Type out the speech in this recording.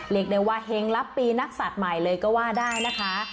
เรียกได้ว่าเฮงรับปีนักศัตริย์ใหม่เลยก็ว่าได้นะคะ